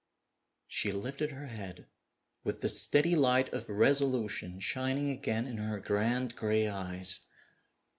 She lifted her head, with the steady light of resolution shining again in her grand, gray eyes.